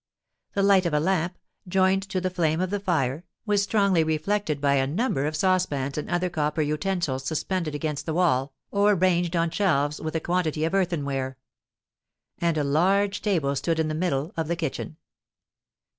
The light of a lamp, joined to the flame of the fire, was strongly reflected by a number of saucepans and other copper utensils suspended against the wall, or ranged on shelves with a quantity of earthenware; and a large table stood in the middle of the kitchen.